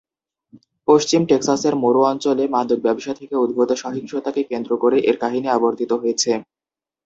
পশ্চিম টেক্সাসের মরু অঞ্চলে মাদক ব্যবসা থেকে উদ্ভূত সহিংসতাকে কেন্দ্র করে এর কাহিনী আবর্তিত হয়েছে।